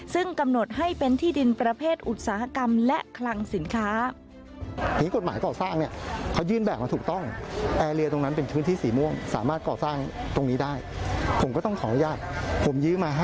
ซึ่งกำหนดให้เป็นที่ดินประเภทอุตสาหกรรม